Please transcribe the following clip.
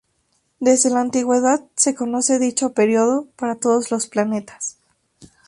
Desde la antigüedad se conoce dicho periodo para todos los planetas.